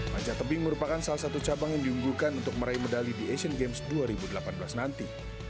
panjat tebing merupakan salah satu cabang yang diunggulkan untuk meraih medali di asian games dua ribu delapan belas nanti